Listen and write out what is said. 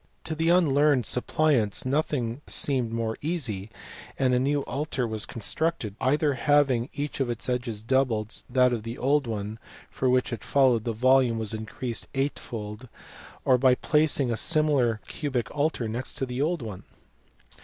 To the unlearned suppliants nothing seemed more easy, and a new altar was constructed either having each of its edges double that of the old one (from which it followed that the HIPPOCRATES. PLATO. 43 volume was increased eight fold) or by placing a similar cubic altar next to the old one.